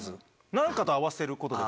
何かと合わせることで。